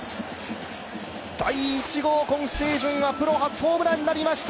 第１号、今シーズンプロ初ホームランになりました。